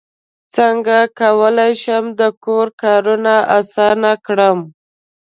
څنګه کولی شم د کور کارونه اسانه کړم